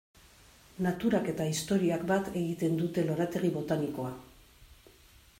Naturak eta historiak bat egiten duten lorategi botanikoa.